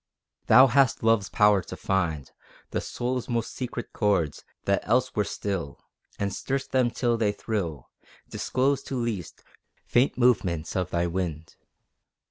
Thou hast Love's power to find The soul's most secret chords, that else were still, And stir'st them till they thrill Disclosed to least, faint movements of thy wind.